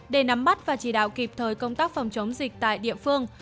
để nắm bắt và chỉ đạo kịp thời công tác phòng chống dịch tại địa phương